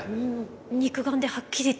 肉眼ではっきりと。